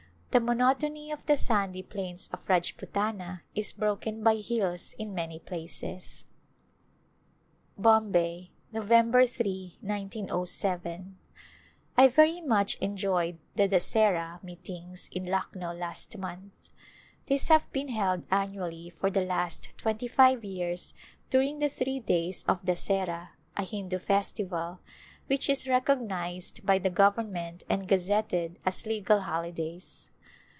The monotony of the sandy plains of Rajputana is broken by hills in many places. Bombay^ Nov. j, ^Qoy. I very much enjoyed the Dasehra meet ings in Lucknow last month. These have been held annually for the last twenty five years during the three days of Dasehra^ a Hindu festival, which is recognized by the government and gazetted as " Legal Holi days."